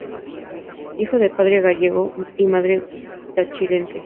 Hijo de padre gallego y madre tachirense.